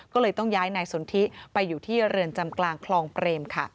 ก็เลยต้องย้ายนายสนทิไปอยู่ที่เรือนจำกลางคลองเปรมค่ะ